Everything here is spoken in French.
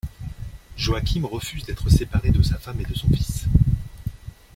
Joachim refuse d'être séparé de sa femme et de son fils.